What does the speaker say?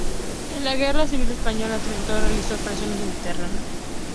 En la Guerra Civil Española el "Trento" realizó operaciones en el Mediterráneo.